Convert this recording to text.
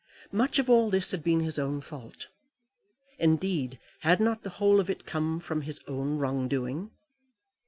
Much of all this had been his own fault. Indeed, had not the whole of it come from his own wrong doing?